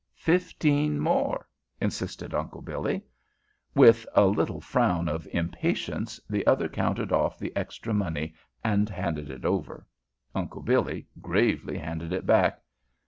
"Fifteen more," insisted Uncle Billy. With a little frown of impatience the other counted off the extra money and handed it over. Uncle Billy gravely handed it back.